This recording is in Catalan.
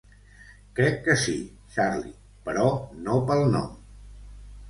Crec que sí, Charley, però no pel nom.